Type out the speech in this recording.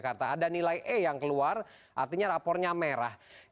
ada nilai e yang keluar artinya rapornya merah